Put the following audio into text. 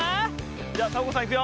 じゃあサボ子さんいくよ。